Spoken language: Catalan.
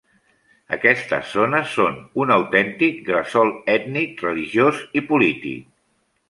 Aquestes zones són un autèntic gresol ètnic, religiós i polític.